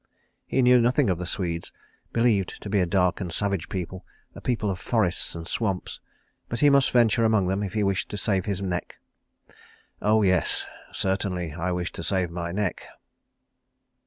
He knew nothing of the Swedes, believed to be a dark and savage people, a people of forests and swamps; but he must venture among them if he wished to save his neck. "Oh, yes, certainly I wish to save my neck."